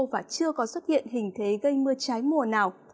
và chưa có xuất hiện hình thế gây mưa trái mùa nào